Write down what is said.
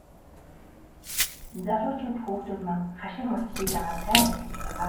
Залуучууд хүүхдүүд маань хашир малчдыг дагаад сайн ажиллаж байгаа.